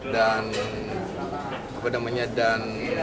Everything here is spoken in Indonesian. dan secara dinaklukan